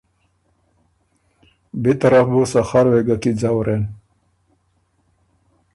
بی طرف بُو سخر وېګه کی ځؤرېن۔